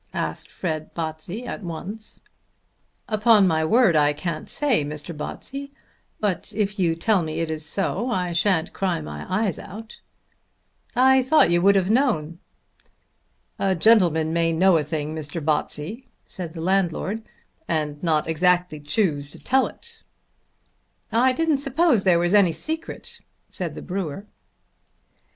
asked Fred Botsey at once. "Upon my word I can't say, Mr. Botsey; but if you tell me it is so I shan't cry my eyes out." "I thought you would have known." "A gentleman may know a thing, Mr. Botsey," said the landlord, "and not exactly choose to tell it." "I didn't suppose there was any secret," said the brewer.